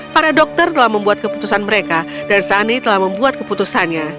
para dokter telah membuat keputusan mereka dan sani telah membuat keputusannya